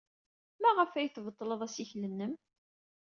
Maɣef ay tbeṭled assikel-nnem?